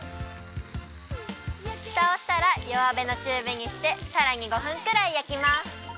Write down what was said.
ふたをしたらよわめのちゅうびにしてさらに５分くらいやきます。